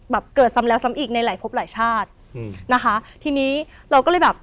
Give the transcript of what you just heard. เกิดซ้ำแล้วซ้ำอีกในหลายพบหลายชาติอืมนะคะทีนี้เราก็เลยแบบ